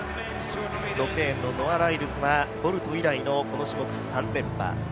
６レーンのノア・ライルズ、ボルト以来のこの種目３連覇。